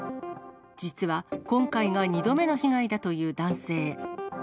実は今回が２度目の被害だという男性。